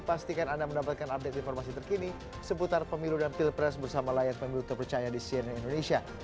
pastikan anda mendapatkan update informasi terkini seputar pemilu dan pilpres bersama layar pemilu terpercaya di cnn indonesia